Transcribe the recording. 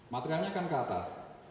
materialnya akan ke atas